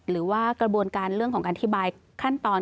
หรือว่ากระบวนการเรื่องของการอธิบายขั้นตอน